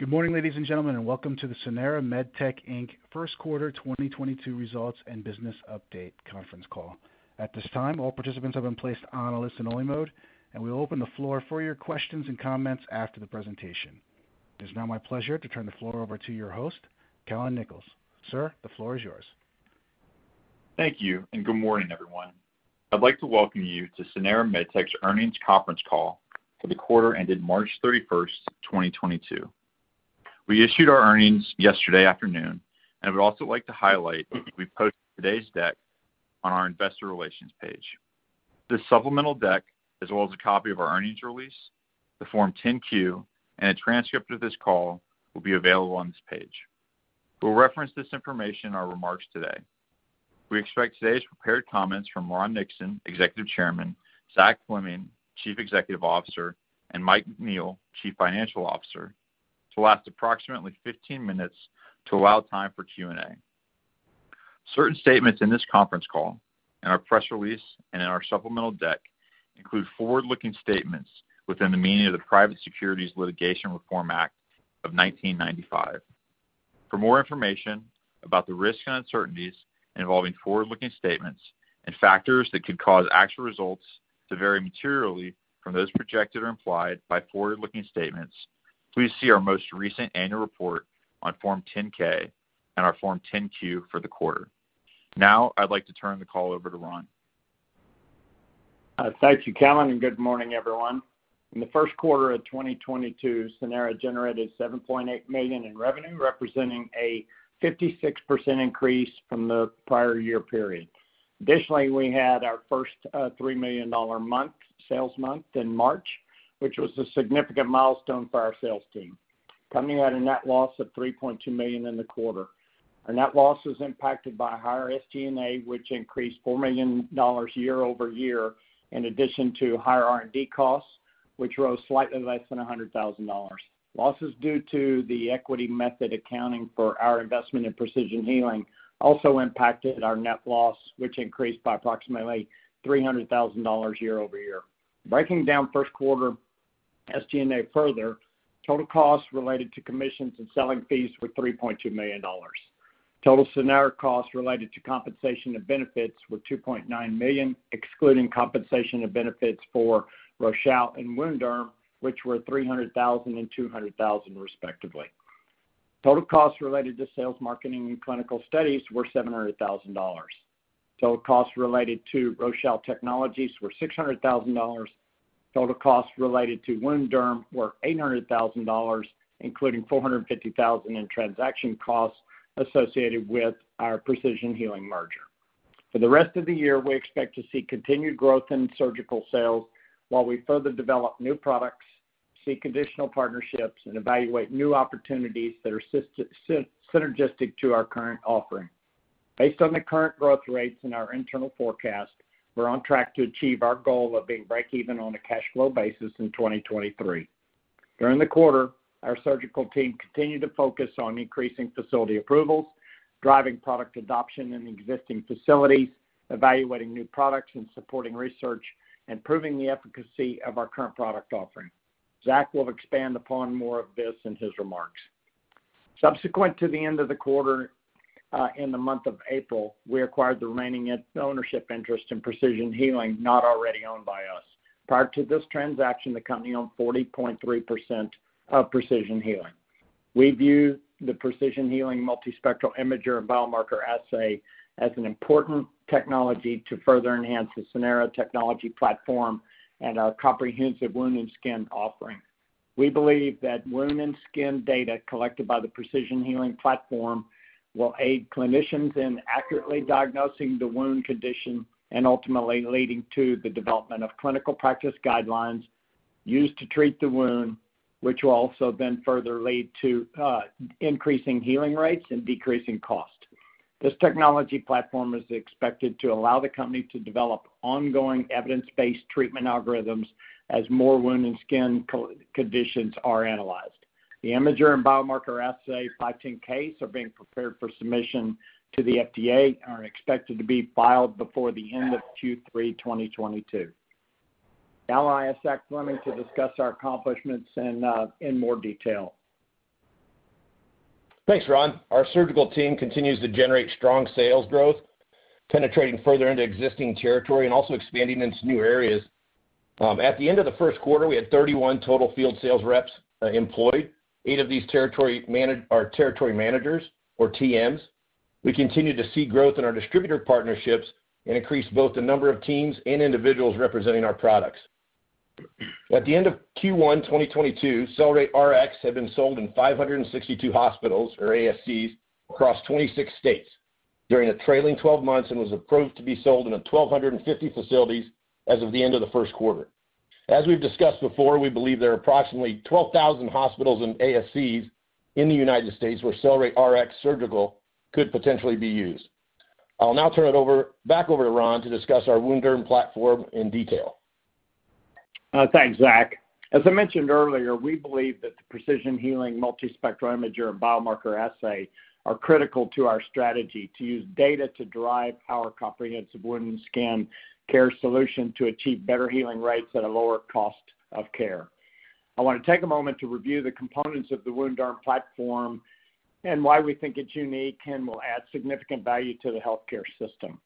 Good morning, ladies and gentlemen, and welcome to the Sanara MedTech Inc. first quarter 2022 results and business update conference call. At this time, all participants have been placed on a listen only mode, and we'll open the floor for your questions and comments after the presentation. It is now my pleasure to turn the floor over to your host, Callon Nichols. Sir, the floor is yours. Thank you, and good morning, everyone. I'd like to welcome you to Sanara MedTech's earnings conference call for the quarter ended March 31, 2022. We issued our earnings yesterday afternoon, and I would also like to highlight we posted today's deck on our investor relations page. This supplemental deck, as well as a copy of our earnings release, the Form 10-Q, and a transcript of this call will be available on this page. We'll reference this information in our remarks today. We expect today's prepared comments from Ron Nixon, Executive Chairman, Zach Fleming, Chief Executive Officer, and Mike McNeil, Chief Financial Officer, to last approximately 15 minutes to allow time for Q&A. Certain statements in this conference call and our press release and in our supplemental deck include forward-looking statements within the meaning of the Private Securities Litigation Reform Act of 1995. For more information about the risks and uncertainties involving forward-looking statements and factors that could cause actual results to vary materially from those projected or implied by forward-looking statements, please see our most recent annual report on Form 10-K and our Form 10-Q for the quarter. Now, I'd like to turn the call over to Ron. Thank you, Callon, and good morning, everyone. In the first quarter of 2022, Sanara generated $7.8 million in revenue, representing a 56% increase from the prior year period. Additionally, we had our first $3 million sales month in March, which was a significant milestone for our sales team. Coming at a net loss of $3.2 million in the quarter. Our net loss was impacted by higher SG&A, which increased $4 million year-over-year, in addition to higher R&D costs, which rose slightly less than $100,000. Losses due to the equity method accounting for our investment in Precision Healing Inc. also impacted our net loss, which increased by approximately $300,000 year-over-year. Breaking down first quarter SG&A further, total costs related to commissions and selling fees were $3.2 million. Total Sanara costs related to compensation and benefits were $2.9 million, excluding compensation and benefits for Rochal and WounDerm, which were $300,000 and $200,000 respectively. Total costs related to sales, marketing, and clinical studies were $700,000. Total costs related to Rochal Technologies were $600,000. Total costs related to WounDerm were $800,000, including $450,000 in transaction costs associated with our Precision Healing merger. For the rest of the year, we expect to see continued growth in surgical sales while we further develop new products, seek additional partnerships, and evaluate new opportunities that are synergistic to our current offering. Based on the current growth rates in our internal forecast, we're on track to achieve our goal of being breakeven on a cash flow basis in 2023. During the quarter, our surgical team continued to focus on increasing facility approvals, driving product adoption in existing facilities, evaluating new products, and supporting research, and proving the efficacy of our current product offering. Zach will expand upon more of this in his remarks. Subsequent to the end of the quarter, in the month of April, we acquired the remaining ownership interest in Precision Healing Inc. not already owned by us. Prior to this transaction, the company owned 40.3% of Precision Healing Inc. We view the Precision Healing Multispectral Imager and biomarker assay as an important technology to further enhance the Sanara technology platform and our comprehensive wound and skin offering. We believe that wound and skin data collected by the Precision Healing platform will aid clinicians in accurately diagnosing the wound condition and ultimately leading to the development of clinical practice guidelines used to treat the wound, which will also then further lead to increasing healing rates and decreasing cost. This technology platform is expected to allow the company to develop ongoing evidence-based treatment algorithms as more wound and skin co-conditions are analyzed. The imager and biomarker assay 510(k)s are being prepared for submission to the FDA and are expected to be filed before the end of Q3 2022. Now I ask Zach Fleming to discuss our accomplishments in more detail. Thanks, Ron. Our surgical team continues to generate strong sales growth, penetrating further into existing territory and also expanding into new areas. At the end of the first quarter, we had 31 total field sales reps employed. Eight of these are territory managers or TMs. We continue to see growth in our distributor partnerships and increase both the number of teams and individuals representing our products. At the end of Q1 2022, CellerateRX had been sold in 562 hospitals or ASCs across 26 states during the trailing twelve months and was approved to be sold in 1,250 facilities as of the end of the first quarter. As we've discussed before, we believe there are approximately 12,000 hospitals and ASCs in the United States where CellerateRX Surgical could potentially be used. I'll now turn it back over to Ron to discuss our WounDerm platform in detail. Thanks, Zach. As I mentioned earlier, we believe that the Precision Healing Multispectral Imager and biomarker assay are critical to our strategy to use data to drive our comprehensive wound and skin care solution to achieve better healing rates at a lower cost of care. I wanna take a moment to review the components of the WounDerm platform and why we think it's unique and will add significant value to the healthcare system.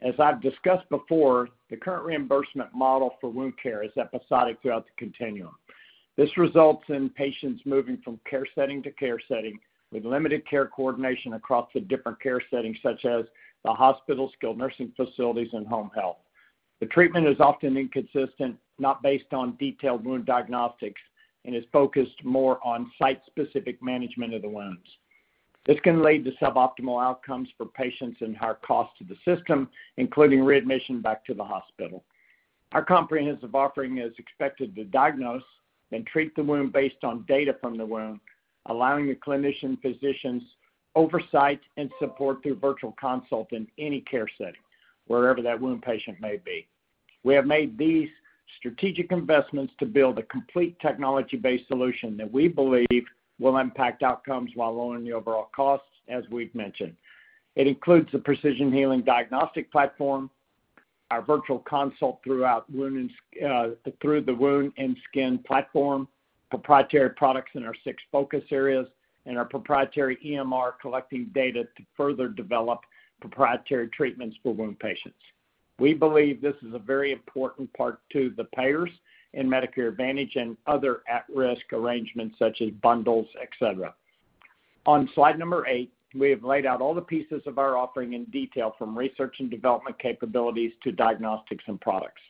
As I've discussed before, the current reimbursement model for wound care is episodic throughout the continuum. This results in patients moving from care setting to care setting with limited care coordination across the different care settings such as the hospital, skilled nursing facilities, and home health. The treatment is often inconsistent, not based on detailed wound diagnostics, and is focused more on site-specific management of the wounds. This can lead to suboptimal outcomes for patients and higher costs to the system, including readmission back to the hospital. Our comprehensive offering is expected to diagnose and treat the wound based on data from the wound, allowing the clinician physicians oversight and support through virtual consult in any care setting, wherever that wound patient may be. We have made these strategic investments to build a complete technology-based solution that we believe will impact outcomes while lowering the overall costs, as we've mentioned. It includes the Precision Healing diagnostic platform, our virtual consult through the wound and skin platform, proprietary products in our six focus areas, and our proprietary EMR collecting data to further develop proprietary treatments for wound patients. We believe this is a very important part to the payers in Medicare Advantage and other at-risk arrangements such as bundles, et cetera. On slide number eight, we have laid out all the pieces of our offering in detail from research and development capabilities to diagnostics and products.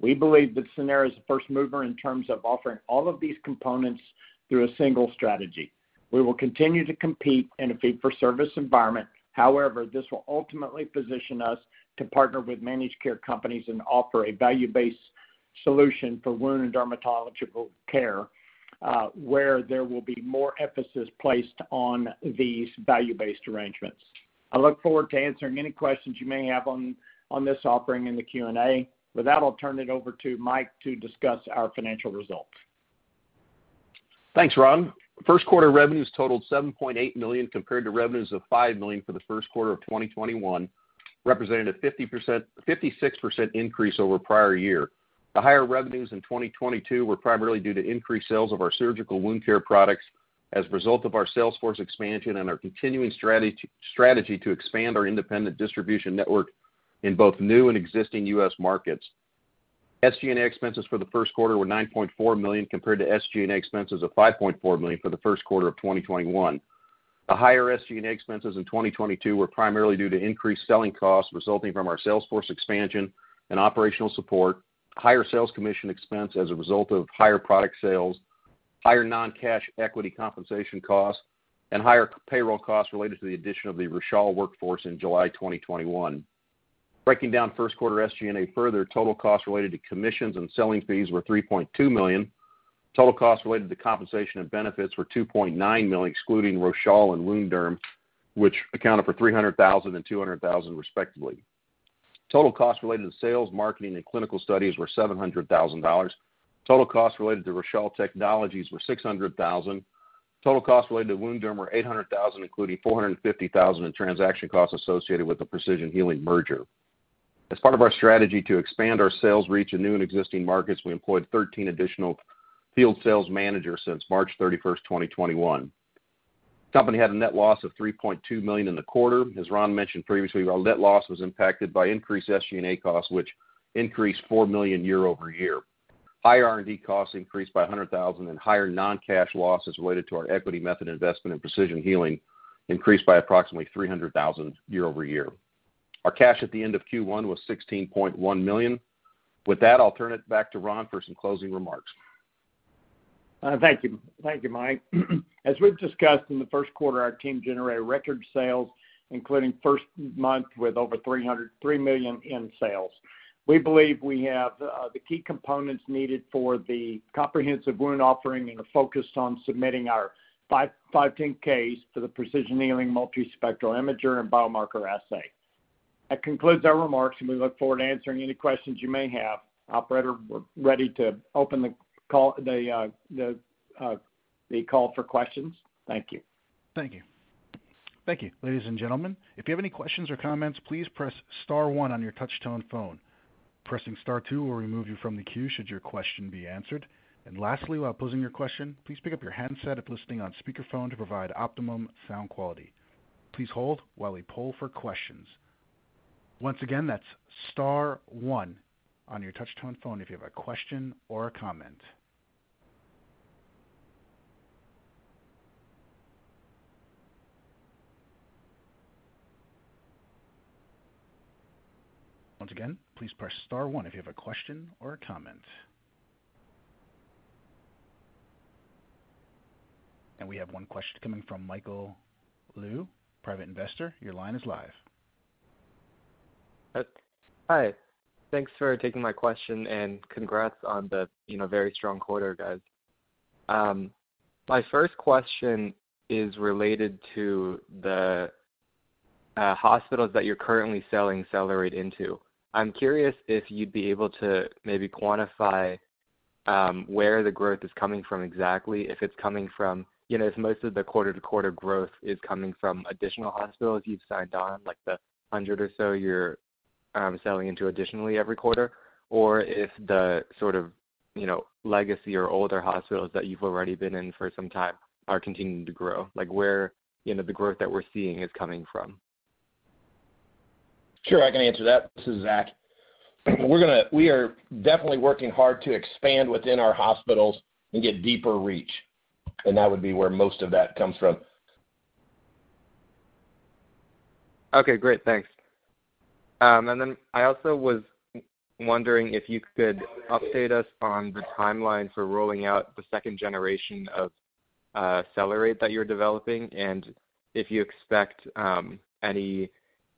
We believe that Sanara is the first mover in terms of offering all of these components through a single strategy. We will continue to compete in a fee-for-service environment. However, this will ultimately position us to partner with managed care companies and offer a value-based solution for wound and dermatological care, where there will be more emphasis placed on these value-based arrangements. I look forward to answering any questions you may have on this offering in the Q&A. With that, I'll turn it over to Mike to discuss our financial results. Thanks, Ron. First quarter revenues totaled $7.8 million compared to revenues of $5 million for the first quarter of 2021, representing a 56% increase over prior year. The higher revenues in 2022 were primarily due to increased sales of our surgical wound care products as a result of our sales force expansion and our continuing strategy to expand our independent distribution network in both new and existing U.S. markets. SG&A expenses for the first quarter were $9.4 million compared to SG&A expenses of $5.4 million for the first quarter of 2021. The higher SG&A expenses in 2022 were primarily due to increased selling costs resulting from our sales force expansion and operational support, higher sales commission expense as a result of higher product sales, higher non-cash equity compensation costs, and higher payroll costs related to the addition of the Rochal workforce in July 2021. Breaking down first quarter SG&A further, total costs related to commissions and selling fees were $3.2 million. Total costs related to compensation and benefits were $2.9 million, excluding Rochal and WounDerm, which accounted for $300,000 and $200,000 respectively. Total costs related to sales, marketing, and clinical studies were $700,000. Total costs related to Rochal were $600,000. Total costs related to WounDerm were $800,000, including $450,000 in transaction costs associated with the Precision Healing merger. As part of our strategy to expand our sales reach in new and existing markets, we employed 13 additional field sales managers since March 31, 2021. Company had a net loss of $3.2 million in the quarter. As Ron mentioned previously, our net loss was impacted by increased SG&A costs, which increased $4 million year-over-year. Higher R&D costs increased by $100,000 and higher non-cash losses related to our equity method investment in Precision Healing increased by approximately $300,000 year-over-year. Our cash at the end of Q1 was $16.1 million. With that, I'll turn it back to Ron for some closing remarks. Thank you. Thank you, Mike. As we've discussed in the first quarter, our team generated record sales, including first month with over $303 million in sales. We believe we have the key components needed for the comprehensive wound offering and are focused on submitting our five 510(k)s for the Precision Healing Multispectral Imager and biomarker assay. That concludes our remarks, and we look forward to answering any questions you may have. Operator, we're ready to open the call for questions. Thank you. Thank you. Thank you. Ladies and gentlemen, if you have any questions or comments, please press star one on your touch-tone phone. Pressing star two will remove you from the queue should your question be answered. Lastly, while posing your question, please pick up your handset if listening on speakerphone to provide optimum sound quality. Please hold while we poll for questions. Once again, that's star one on your touch-tone phone if you have a question or a comment. Once again, please press star one if you have a question or a comment. We have one question coming from Michael Liu, Private Investor. Your line is live. Hi. Thanks for taking my question, and congrats on the, you know, very strong quarter, guys. My first question is related to the hospitals that you're currently selling CellerateRX into. I'm curious if you'd be able to maybe quantify where the growth is coming from exactly. If it's coming from, you know, if most of the quarter-to-quarter growth is coming from additional hospitals you've signed on, like the 100 or so you're selling into additionally every quarter or if the sort of, you know, legacy or older hospitals that you've already been in for some time are continuing to grow. Like where, you know, the growth that we're seeing is coming from. Sure. I can answer that. This is Zach. We are definitely working hard to expand within our hospitals and get deeper reach, and that would be where most of that comes from. Okay, great. Thanks. I also was wondering if you could update us on the timeline for rolling out the second generation of CellerateRX that you're developing and if you expect any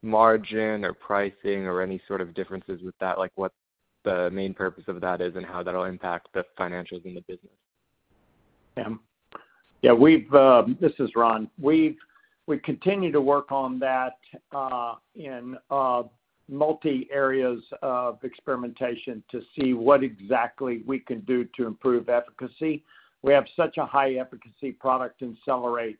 margin or pricing or any sort of differences with that, like what the main purpose of that is and how that'll impact the financials in the business. Yeah. We've, this is Ron. We continue to work on that in multi areas of experimentation to see what exactly we can do to improve efficacy. We have such a high efficacy product in CellerateRX,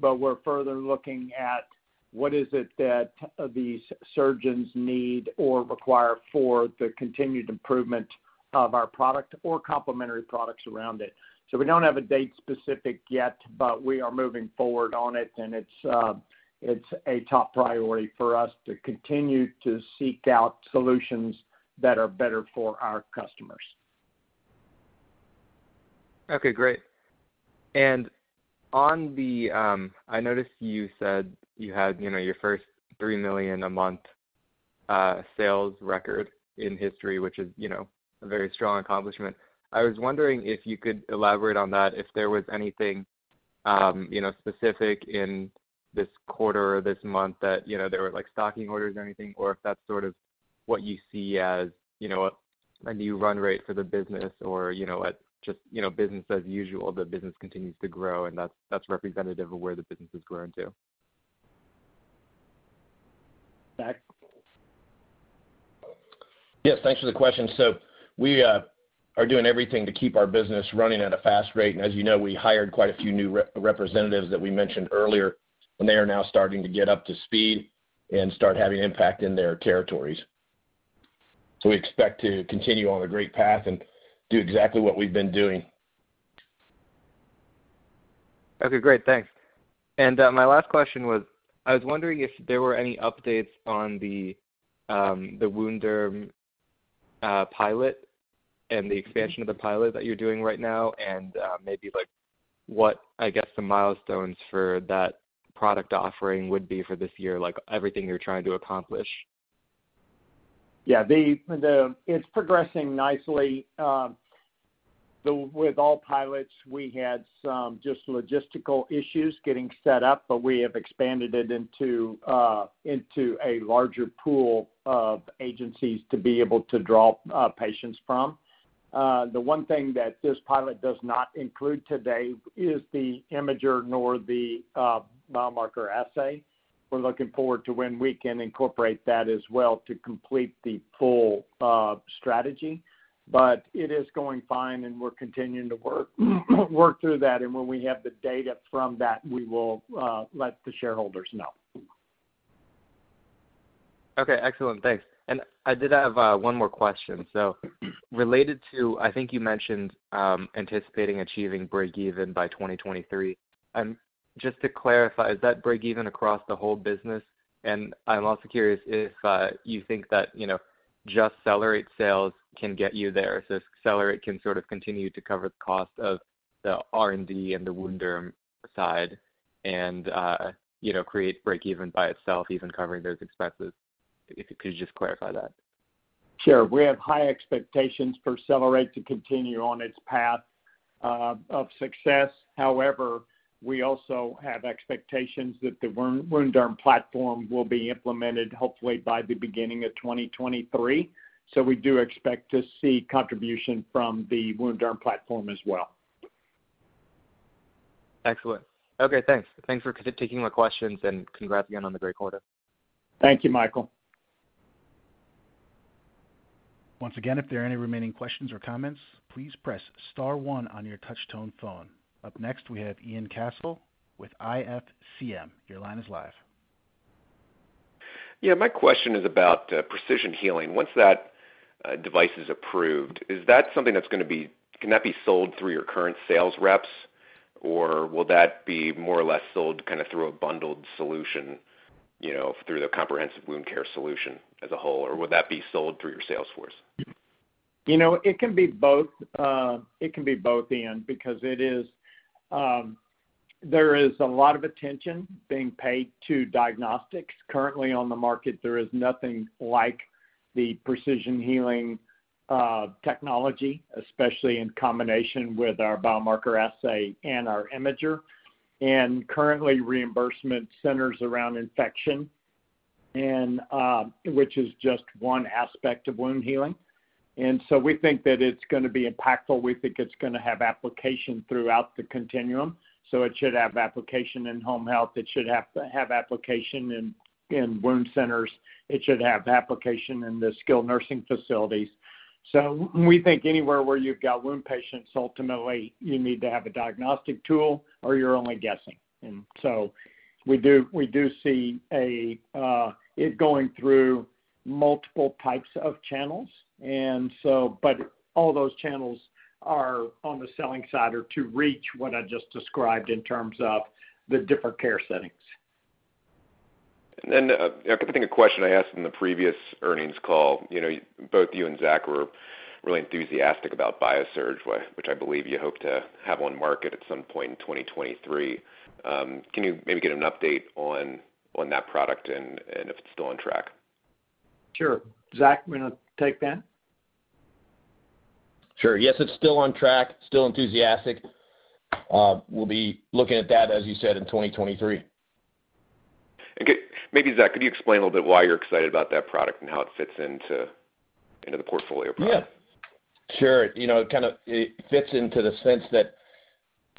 but we're further looking at what is it that these surgeons need or require for the continued improvement of our product or complementary products around it. We don't have a date specific yet, but we are moving forward on it, and it's a top priority for us to continue to seek out solutions that are better for our customers. Okay, great. On the, I noticed you said you had, you know, your first $3 million a month sales record in history, which is, you know, a very strong accomplishment. I was wondering if you could elaborate on that, if there was anything, you know, specific in this quarter or this month that, you know, there were like stocking orders or anything, or if that's sort of what you see as, you know, a new run rate for the business or, you know, just business as usual, the business continues to grow, and that's representative of where the business is growing to. Zach? Yes, thanks for the question. We are doing everything to keep our business running at a fast rate. As you know, we hired quite a few new representatives that we mentioned earlier, and they are now starting to get up to speed and start having impact in their territories. We expect to continue on a great path and do exactly what we've been doing. Okay, great. Thanks. My last question was, I was wondering if there were any updates on the WounDerm pilot and the expansion of the pilot that you're doing right now, and maybe like what, I guess the milestones for that product offering would be for this year, like everything you're trying to accomplish. Yeah. It's progressing nicely. With all pilots, we had some just logistical issues getting set up, but we have expanded it into a larger pool of agencies to be able to draw patients from. The one thing that this pilot does not include today is the imager nor the biomarker assay. We're looking forward to when we can incorporate that as well to complete the full strategy. It is going fine, and we're continuing to work through that. When we have the data from that, we will let the shareholders know. Okay, excellent. Thanks. I did have one more question related to, I think you mentioned, anticipating achieving breakeven by 2023. Just to clarify, is that breakeven across the whole business? I'm also curious if you think that, you know, just CellerateRX sales can get you there. If CellerateRX can sort of continue to cover the cost of the R&D and the WounDerm side and, you know, create breakeven by itself, even covering those expenses. If you could just clarify that. Sure. We have high expectations for CellerateRX to continue on its path of success. However, we also have expectations that the WounDerm platform will be implemented hopefully by the beginning of 2023. We do expect to see contribution from the WounDerm platform as well. Excellent. Okay, thanks. Thanks for taking my questions, and congrats again on the great quarter. Thank you, Michael. Once again, if there are any remaining questions or comments, please press star one on your touch tone phone. Up next, we have Ian Cassel with IFCM. Your line is live. Yeah, my question is about Precision Healing. Once that device is approved, can that be sold through your current sales reps, or will that be more or less sold kinda through a bundled solution, you know, through the comprehensive wound care solution as a whole? Or would that be sold through your sales force? You know, it can be both, Ian, because it is. There is a lot of attention being paid to diagnostics. Currently on the market, there is nothing like the Precision Healing technology, especially in combination with our biomarker assay and our imager. Currently reimbursement centers around infection and, which is just one aspect of wound healing. We think that it's gonna be impactful. We think it's gonna have application throughout the continuum, so it should have application in home health, it should have application in wound centers, it should have application in the skilled nursing facilities. We think anywhere where you've got wound patients, ultimately, you need to have a diagnostic tool or you're only guessing. We do see it going through multiple types of channels. All those channels are on the selling side or to reach what I just described in terms of the different care settings. Repeating a question I asked in the previous earnings call. You know, both you and Zach were really enthusiastic about BIASURGE, which I believe you hope to have on market at some point in 2023. Can you maybe give an update on that product and if it's still on track? Sure. Zach, you wanna take that? Sure. Yes, it's still on track, still enthusiastic. We'll be looking at that, as you said, in 2023. Okay. Maybe, Zach, could you explain a little bit why you're excited about that product and how it fits into the portfolio product? Yeah, sure. You know, it kind of, it fits into the sense that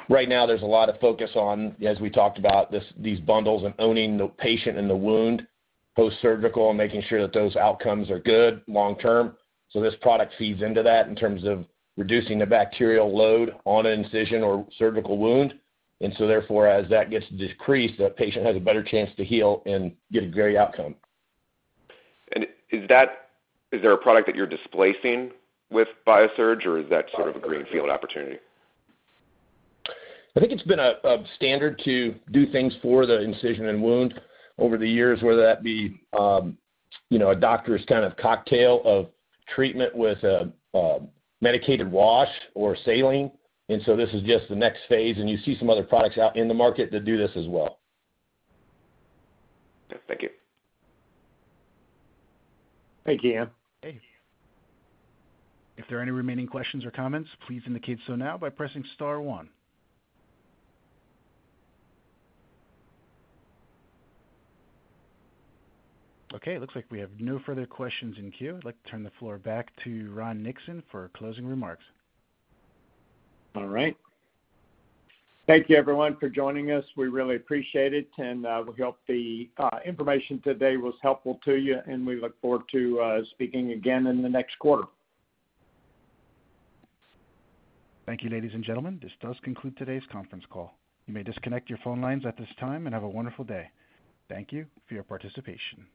right now there's a lot of focus on, as we talked about, this, these bundles and owning the patient and the wound post-surgical and making sure that those outcomes are good long term. So this product feeds into that in terms of reducing the bacterial load on an incision or surgical wound. So therefore, as that gets decreased, that patient has a better chance to heal and get a great outcome. Is there a product that you're displacing with BIASURGE, or is that sort of a green field opportunity? I think it's been a standard to do things for the incision and wound over the years, whether that be, you know, a doctor's kind of cocktail of treatment with a medicated wash or saline. This is just the next phase, and you see some other products out in the market that do this as well. Thank you. Thank you. Okay. If there are any remaining questions or comments, please indicate so now by pressing star one. Okay, it looks like we have no further questions in queue. I'd like to turn the floor back to Ron Nixon for closing remarks. All right. Thank you everyone for joining us. We really appreciate it, and we hope the information today was helpful to you, and we look forward to speaking again in the next quarter. Thank you, ladies and gentlemen. This does conclude today's conference call. You may disconnect your phone lines at this time and have a wonderful day. Thank you for your participation.